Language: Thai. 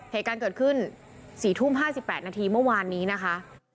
เหตุการณ์เกิดขึ้น๔ทุ่ม๕๘นาทีเมื่อวานนี้นะคะ